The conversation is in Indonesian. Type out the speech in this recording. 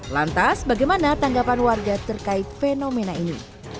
lantas bagaimana tanggapan warga terkait fenomena ini